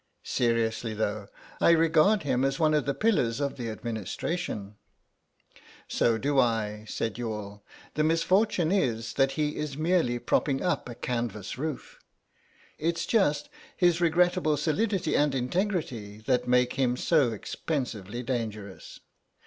Seriously though, I regard him as one of the pillars of the Administration." "So do I," said Youghal; "the misfortune is that he is merely propping up a canvas roof. It's just his regrettable solidity and integrity that makes him so expensively dangerous.